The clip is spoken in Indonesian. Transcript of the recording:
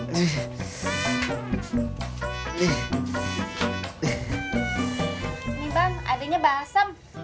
nih bang adanya balsam